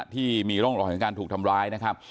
ที่มีร่องรอยของการถูกทำร้ายนะครับ